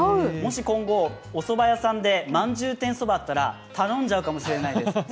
もし今後、おそば屋にまんじゅう天そばがあったら頼んじゃうかもしれないです